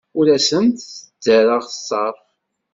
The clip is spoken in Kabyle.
Ur asent-d-ttarraɣ ṣṣerf.